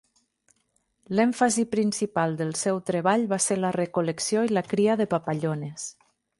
L'èmfasi principal del seu treball va ser la recol·lecció i la cria de papallones.